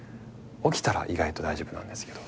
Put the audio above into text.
起きたら意外と大丈夫なんです。